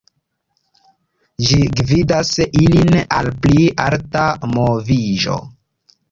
Ĝi gvidas ilin al pli alta moviĝo.